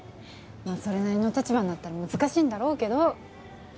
それなりの立場になったら難しいんだろうけど。